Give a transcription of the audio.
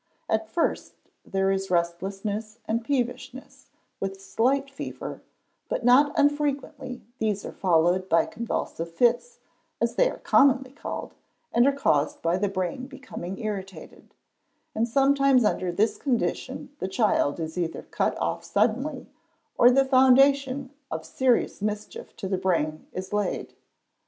At first there is restlessness and peevishness, with slight fever, but not unfrequently these are followed by convulsive fits, as they are commonly called, which are caused by the brain becoming irritated; and sometimes under this condition the child is either cut off suddenly, or the foundation of serious mischief to the brain is laid.